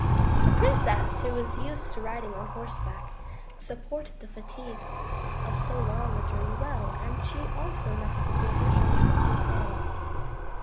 The princess who was used to riding on horseback, supported the fatigue of so long a journey well, and she also met the dervish on the twen tieth day.